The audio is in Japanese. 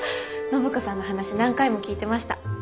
暢子さんの話何回も聞いてました。